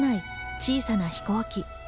小さな飛行機。